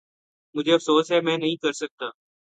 مجھے افسوس ہے میں نہیں کر سکتا۔